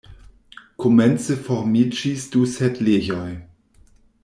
Komence formiĝis du setlejoj.